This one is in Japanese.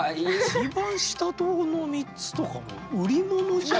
一番下の３つとか売り物じゃん。